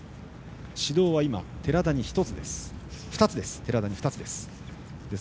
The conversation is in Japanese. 指導は今、寺田に２つです。